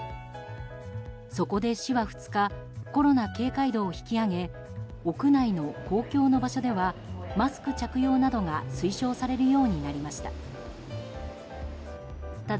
そこで市は２日コロナ警戒度を引き上げ屋内の公共の場所ではマスク着用などが推奨されるようになりました。